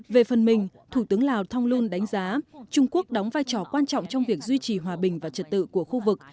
về phần mình thủ tướng lào thonglun đánh giá trung quốc đóng vai trò quan trọng trong việc duy trì hòa bình và trật tự của khu vực